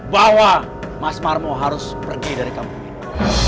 bahwa mas malmo harus pergi dari kampung ini